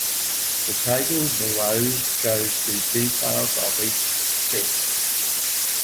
The table below shows the details of each set.